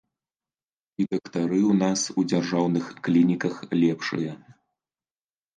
І дактары ў нас ў дзяржаўных клініках лепшыя.